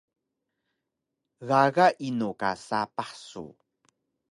Gaga inu ka sapah su?